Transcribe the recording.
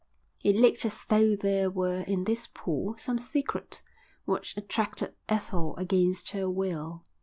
It looked as though there were in this pool some secret which attracted Ethel against her will.